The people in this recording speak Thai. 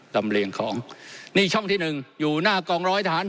ลำเลียงของนี่ช่องที่หนึ่งอยู่หน้ากองร้อยทหาร